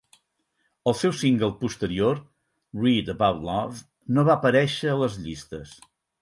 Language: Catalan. El seu single posterior, "Read About Love" no va aparèixer a les llistes.